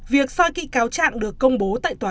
việc soi kỹ cáo trạng được công bố tại tòa